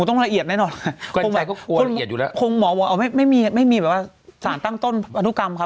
ก็ต้องละเอียดแน่นอนคงหมอว่าไม่มีสารตั้งต้นพันธุกรรมครับ